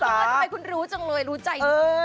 ทำไมคุณรู้จังเลยรู้ใจมาก